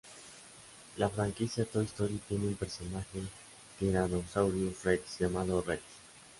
La franquicia "Toy Story" tiene un personaje "Tyrannosaurus rex" llamado Rex.